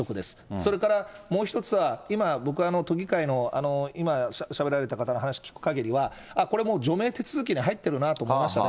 それからもう一つは今、僕は都議会の、今しゃべられた方の話聞くかぎりは、ああ、これもう除名手続きに入ってるなと思いましたね。